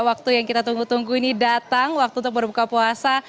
waktu yang kita tunggu tunggu ini datang waktu untuk berbuka puasa